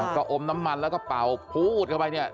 ก็อมน้ำมันแล้วก็เป่าพูดเข้าไปเนี่ย